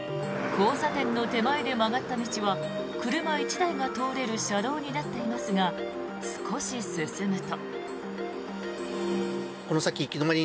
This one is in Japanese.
交差点の手前で曲がった道は車１台が通れる車道になっていますが少し進むと。